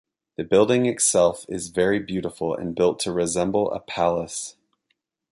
The building itself is very beautiful and built to resemble a palace.